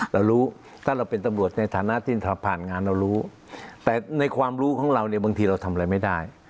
เรารู้ถ้าเราเป็นตำรวจในฐานะที่ผ่านงานเรารู้แต่ในความรู้ของเราเนี่ยบางทีเราทำอะไรไม่ได้